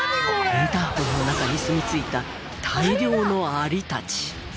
インターホンの中にすみついた大量のアリたち。